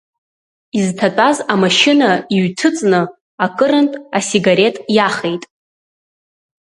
Изҭатәаз амашьына иҩҭыҵны, акырынтә асигарет иахеит.